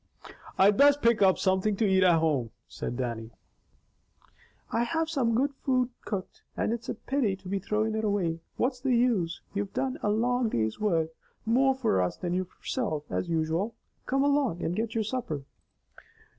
"I'd best pick up something to eat at home," said Dannie. "I have some good food cooked, and it's a pity to be throwin' it away. What's the use? You've done a long day's work, more for us than yoursilf, as usual; come along and get your supper."